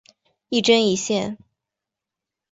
一针一线